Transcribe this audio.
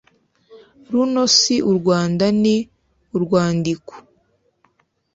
runo si u rwanda ni urwandiko